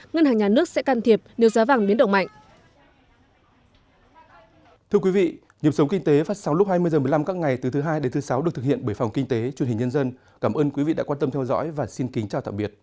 ngân hàng nhà nước sẽ can thiệp nếu giá vàng biến động mạnh